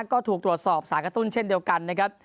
ก็ถูกตรวจสอบสารกระตุ้นเช่นเดียวกันนะครับ